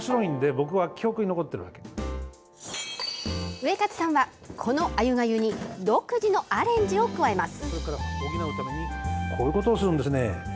ウエカツさんはこのあゆがゆに独自のアレンジを加えます。